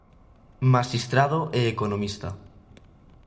Maxistrado e economista.